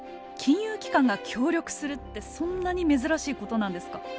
金融機関が協力するってそんなに珍しいことなんですか。